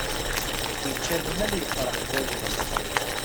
Ičča lmal yefṛeḥ bab-is.